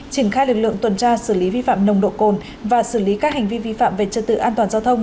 triển khai lực lượng tuần tra xử lý vi phạm nồng độ cồn và xử lý các hành vi vi phạm về trật tự an toàn giao thông